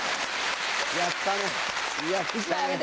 やったね。